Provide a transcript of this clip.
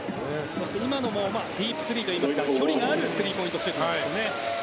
そして今のもディープスリーといいますか距離があるスリーポイントシュートですね。